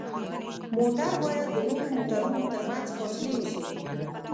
موټر باید د نورو موټرونو ترمنځ فاصلې وساتي.